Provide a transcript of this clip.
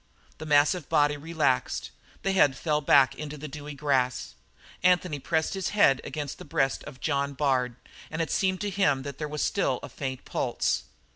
The massive body relaxed; the head fell back into the dewy grass. Anthony pressed his head against the breast of John Bard and it seemed to him that there was still a faint pulse.